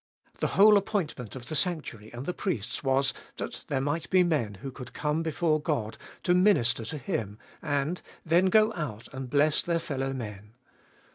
The whole appointment of the sanctuary and the priests was that there might be men who could come before God to minister to Him, and then go out and bless their fellow men.